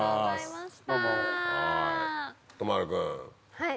はい。